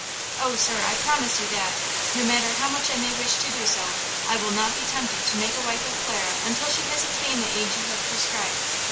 "Oh, sir, I promise you that, no matter how much I may wish to do so, I will not be tempted to make a wife of Clara until she has attained the age you have prescribed.